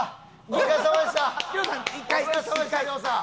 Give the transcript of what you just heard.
お疲れさまでした亮さん。